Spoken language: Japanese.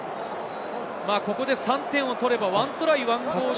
ここで３点を取れば１トライ１ゴール。